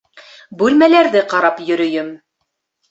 Бүлмәләрҙе ҡарап йөрөйөм.